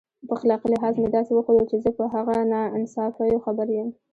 په اخلاقي لحاظ مې داسې وښودل چې زه په هغه ناانصافیو خبر یم.